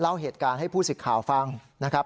เล่าเหตุการณ์ให้ผู้สิทธิ์ข่าวฟังนะครับ